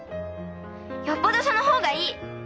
よっぽどその方がいい！